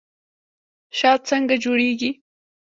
شات څنګه جوړیږي؟